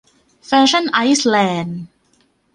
แฟชั่นไอส์แลนด์